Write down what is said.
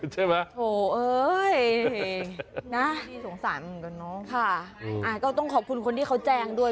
ใช่ไหมโอ้โฮเอ้ยนะค่ะอ่ะก็ต้องขอบคุณคนที่เขาแจ้งด้วย